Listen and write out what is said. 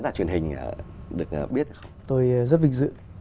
vũ bìnhporivup pixe